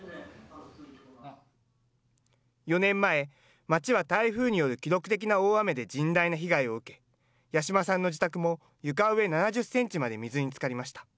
４年前、町は台風による記録的な大雨で甚大な被害を受け、八島さんの自宅も床上７０センチまで水につかりました。